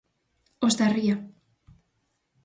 Os da Ría.